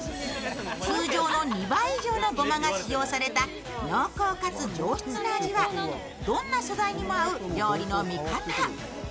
通常の２倍以上のごまが使用された濃厚かつ上質な味はどんな素材にも合う料理の味方。